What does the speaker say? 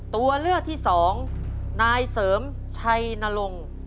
ตัวเลือกที่สองนายเสริมชัยนรงค์